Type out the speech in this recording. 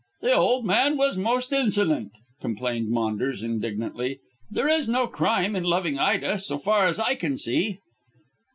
"The old man was most insolent," complained Maunders indignantly; "There is no crime in loving Ida, so far as I can see."